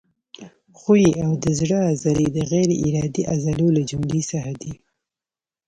ښویې او د زړه عضلې د غیر ارادي عضلو له جملو څخه دي.